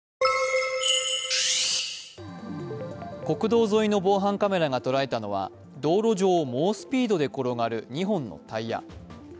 国道沿いの防犯カメラがとらえたのは道路上を猛スピードで転がる２本のタイヤ。